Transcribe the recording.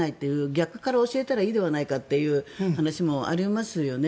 逆から教えたらいいではないかという話もありますよね。